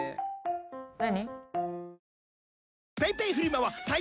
何？